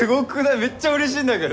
めっちゃうれしいんだけど。